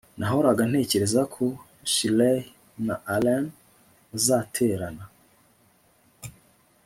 Nahoraga ntekereza ko Shirley na Alan bazaterana